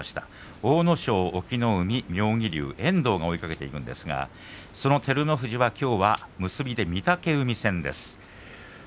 阿武咲、隠岐の海、妙義龍遠藤が追いかけていますがその照ノ富士はきょうは結びで御嶽海戦です。